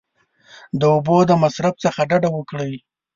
د اوبو د مصرف څخه ډډه وکړئ !